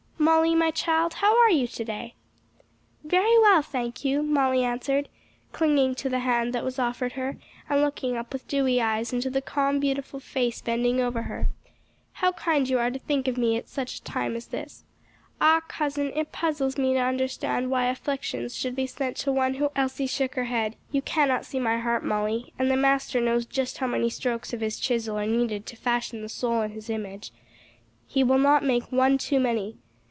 "Molly, my child, how are you to day?" "Very well, thank you," Molly answered, clinging to the hand that was offered her, and looking up with dewy eyes into the calm, beautiful face bending over her. "How kind you are to think of me at such a time as this. Ah cousin, it puzzles me to understand why afflictions should be sent to one who already seems almost an angel in goodness." Elsie shook her head. "You cannot see my heart, Molly; and the Master knows just how many strokes of his chisel are needed to fashion the soul in his image; he will not make one too many.